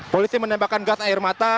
polisi menembakkan gas air mata